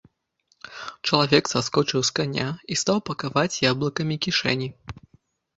Чалавек саскочыў з каня і стаў пакаваць яблыкамі кішэні.